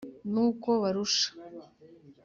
N'uko barusha